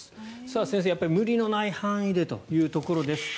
先生、無理のない範囲でというところです。